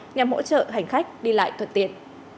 nhằm hỗ trợ hành khách đi lại thuận tiện